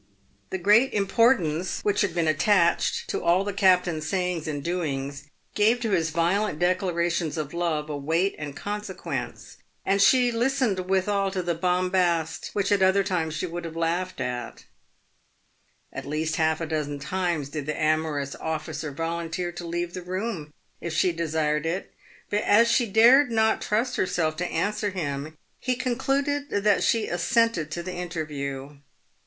The great importance which had been attached to all the captain's sayings and doings, gave to his violent declarations of love a weight and consequence, and she listened withal to the bombast which at other times she would have laughed at. PAYED WITH GOLD. 231 At least half a dozen times did the amorous officer volunteer to leave the room if she desired it, but as she dared not trust herself to answer him, he concluded that she assented to the interview.